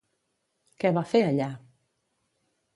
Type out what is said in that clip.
Què va fer allà?